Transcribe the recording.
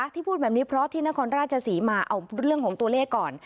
พูดแบบนี้เพราะที่นครราชศรีมาเอาเรื่องของตัวเลขก่อน